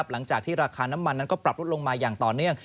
หลังจากที่ราคาน้ำมันนั้นก็ปรับลดลงมาอย่างต่อเนื่อง